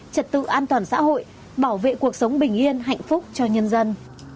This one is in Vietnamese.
trật tự an toàn xã hội bảo vệ cuộc sống bình yên hạnh phúc cho nhân dân